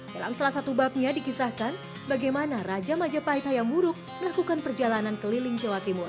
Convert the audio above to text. dalam salah satu babnya dikisahkan bagaimana raja majapahit hayam buruk melakukan perjalanan keliling jawa timur